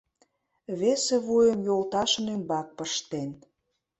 Весе вуйым йолташын ӱмбак пыштен.